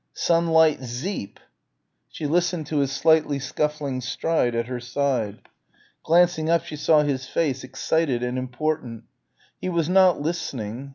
Sunlight Zeep!" She listened to his slightly scuffling stride at her side. Glancing up she saw his face excited and important. He was not listening.